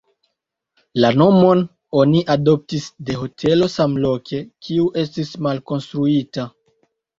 La nomon oni adoptis de hotelo samloke, kiu estis malkonstruita.